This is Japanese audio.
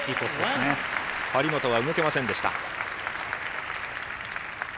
張本、動けませんでした。